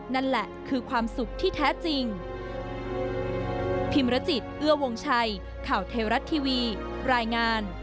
นั่นแหละคือความสุขที่แท้จริง